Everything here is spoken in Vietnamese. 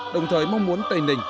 đồng thời mong muốn tây ninh